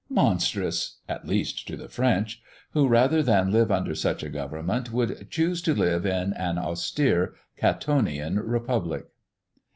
Monstrous, at least to the French, who, rather than live under such a government, would choose to live in an austere Catonian Republic.